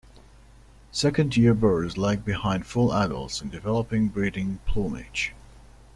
Second-year birds lag behind full adults in developing breeding plumage.